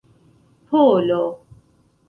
polo